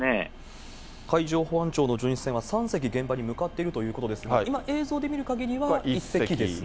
海上保安庁の巡視船が３隻現場に向かっているということですが、今、映像で見るかぎりは１隻ですね。